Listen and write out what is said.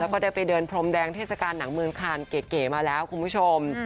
แล้วก็ได้ไปเดินพรมแดงเทศกาลหนังเมืองคานเก๋มาแล้วคุณผู้ชม